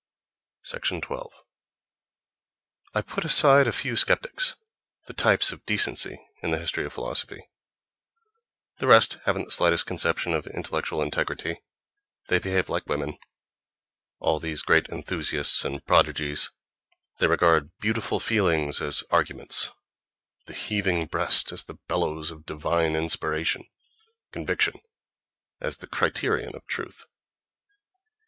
— 12. I put aside a few sceptics, the types of decency in the history of philosophy: the rest haven't the slightest conception of intellectual integrity. They behave like women, all these great enthusiasts and prodigies—they regard "beautiful feelings" as arguments, the "heaving breast" as the bellows of divine inspiration, conviction as the criterion of truth.